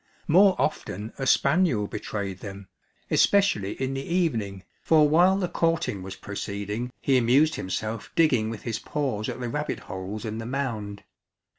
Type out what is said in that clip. More often a spaniel betrayed them, especially in the evening, for while the courting was proceeding he amused himself digging with his paws at the rabbit holes in the mound.